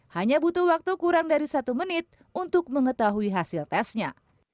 hanya butuh waktu kurang dari satu menit untuk mengetahui hasil tesnya